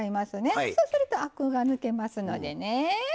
そうするとアクが抜けますのでね。